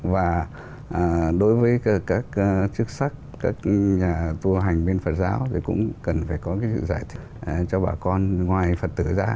và đối với các chức sách các nhà tu hành bên phật giáo thì cũng cần phải có cái giải thích cho bà con ngoài phật tử ra